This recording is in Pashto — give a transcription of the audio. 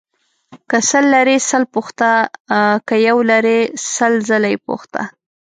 که سل لرې سل پوښته ، که يو لرې سل ځله يې پوښته.